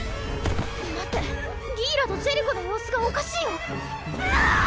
待ってギーラとジェリコの様子がおかしいよ。があぁ！